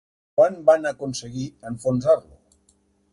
Quan van aconseguir enfonsar-lo?